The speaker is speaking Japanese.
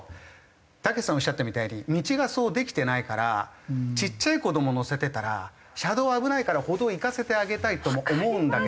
たけしさんがおっしゃったみたいに道がそうできてないからちっちゃい子ども乗せてたら車道危ないから歩道行かせてあげたいとも思うんだけど。